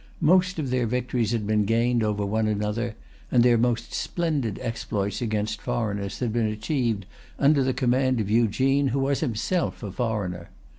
Most of their victories had been gained over each other; and their most splendid exploits against foreigners had been achieved under the command of Eugene, who was himself a foreigner.